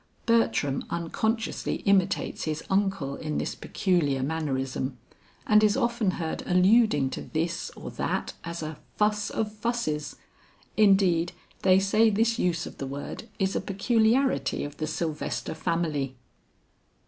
Bertram unconsciously imitates his uncle in this peculiar mannerism and is often heard alluding to this or that as a fuss of fusses. Indeed they say this use of the word is a peculiarity of the Sylvester family."